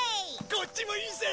こっちもいいぜ！